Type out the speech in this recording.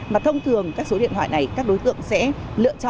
mà thông thường các số điện thoại này các đối tượng sẽ lựa chọn